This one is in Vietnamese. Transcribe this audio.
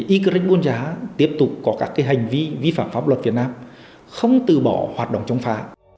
y green buôn giá tiếp tục có các hành vi vi phạm pháp luật việt nam không từ bỏ hoạt động chống phá